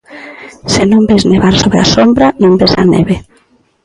Se non ves nevar sobre a sombra, non ves a neve.